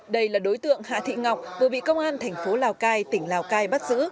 đây là đối tượng hạ thị ngọc vừa bị công an thành phố lào cai tỉnh lào cai bắt giữ